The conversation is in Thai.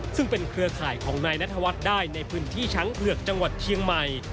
ซึ่งเป็นเครือข่ายของนายนัทวัฒน์ได้ในพื้นที่ช้างเผือกจังหวัดเชียงใหม่